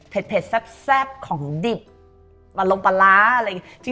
เผ็ดแซ่บของดิบมาลงปลาร้าอะไรอย่างนี้